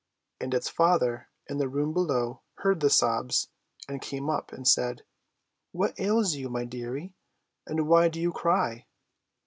And its father, in the room below, heard the sobs, and came up, and said, "What ails you, my dearie, and why do you cry?"